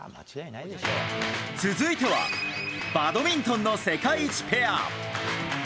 続いてはバドミントンの世界一ペア。